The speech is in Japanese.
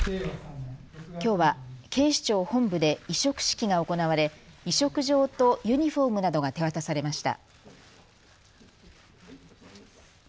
きょうは警視庁本部で委嘱式が行われ委嘱状とユニフォームなどが手渡されました。